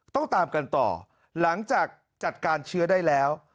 ต้องตามกันต่อหลังจากจัดการเชื้อได้แล้ว